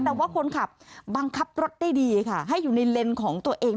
แต่ว่าคนขับบังคับรถได้ดีค่ะให้อยู่ในเลนส์ของตัวเอง